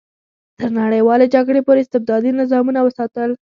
تر نړیوالې جګړې پورې استبدادي نظامونه وساتل.